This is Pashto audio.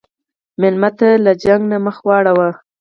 مېلمه ته له شخړې نه مخ واړوه.